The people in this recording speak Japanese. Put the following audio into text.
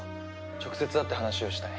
直接会って話をしたい。